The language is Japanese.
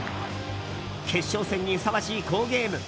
決勝戦にふさわしい好ゲーム。